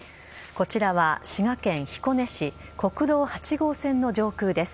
こちらは滋賀県彦根市、国道８号線の上空です。